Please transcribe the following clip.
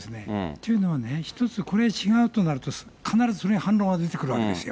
というのはね、一つ、これ違うとなると必ずそれが、反論が出てくるわけですよ。